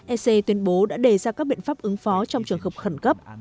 ec tuyên bố đã đề ra các biện pháp ứng phó trong trường hợp khẩn cấp